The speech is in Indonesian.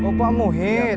oh pak muhid